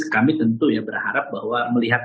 kami tentu ya berharap bahwa melihat